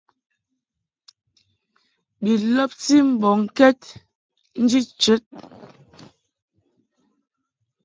Bi lɔbti mbɔŋkɛd nji chəd.